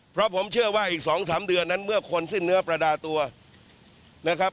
เพราะผมเชื่อว่าอีก๒๓เดือนนั้นเมื่อคนสิ้นเนื้อประดาตัวนะครับ